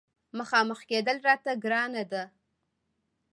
مخامخ کېدل راته ګرانه دي.